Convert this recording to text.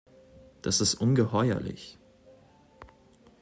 Das ist ungeheuerlich!